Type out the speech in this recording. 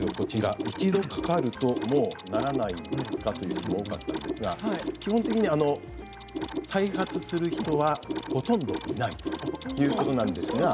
一度かかると、もうならないのですか？ということなんですが基本的に再発する人はほとんどいないということです。